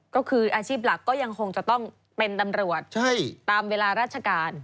ก็คืออาชีพหลักก็ยังคงจะต้องเป็นตำรวจตามเวลาราชการ